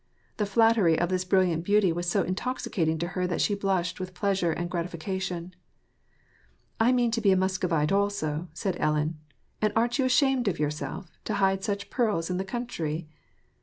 The flattery of this brilliant beauty was so intoxi cating to her that she blushed with pleasure and g^tification. *^ I mean to be a Muscovite also." said Ellen. << And aren't you ashamed of yourself, to hide such pearls in the country